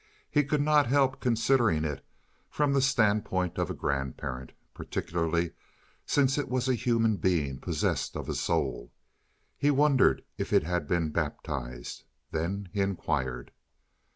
He could not help considering it from the standpoint of a grandparent, particularly since it was a human being possessed of a soul. He wondered if it had been baptized. Then he inquired.